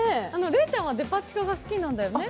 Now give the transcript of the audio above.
礼ちゃんはデパ地下が好きなんですよね？